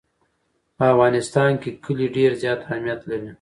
په افغانستان کې کلي ډېر زیات اهمیت لري.